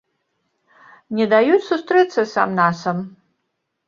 Не даюць сустрэцца сам-насам.